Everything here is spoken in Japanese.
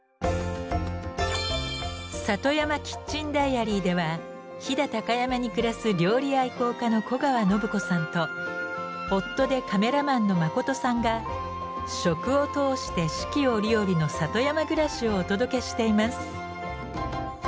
「ＳａｔｏｙａｍａＫｉｔｃｈｅｎＤｉａｒｙ」では飛騨高山に暮らす料理愛好家の古川伸子さんと夫でカメラマンの誠さんが食を通して四季折々の里山暮らしをお届けしています。